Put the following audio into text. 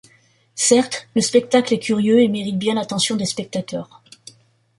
Certes, le spectacle est curieux et mérite bien l’attention des spectateurs.